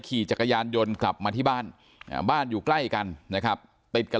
ขี่จักรยานยนต์กลับมาที่บ้านบ้านอยู่ใกล้กันนะครับติดกับ